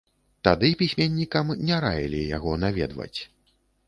Тады пісьменнікам не раілі яго наведваць.